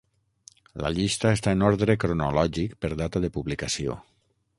La llista està en ordre cronològic per data de publicació.